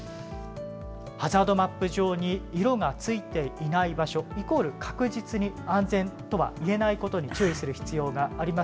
ハザードマップ上に色がついていない場所イコール、確実に安全とはいえないことに注意する必要があります。